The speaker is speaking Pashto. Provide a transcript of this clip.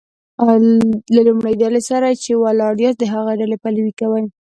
له کومي ډلي سره چي ولاړ یاست؛ د هغي ډلي پلوي کوئ!